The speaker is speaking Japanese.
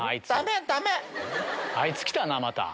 あいつ来たなまた。